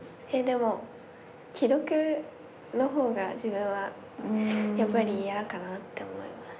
でも既読の方が自分はやっぱり嫌かなって思います。